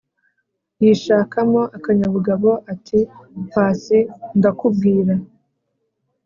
yishakamo akanyabugabo ati"pasi ndakubwira